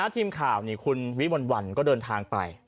ธิมข่าวนี่คุณวิวันก็เดินทางไป